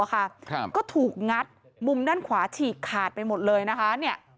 ก็ถูกงัดมุมด้านขวาฉีกขาดไปหมดเลยนะคะ